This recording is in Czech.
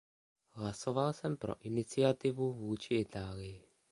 Hlasoval jsem pro iniciativu vůči Itálii.